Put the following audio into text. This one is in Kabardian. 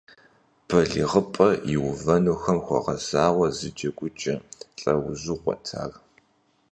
Балигъыпӏэ иувэнухэм хуэгъэзауэ зы джэгукӀэ лӀэужьыгъуэт ар.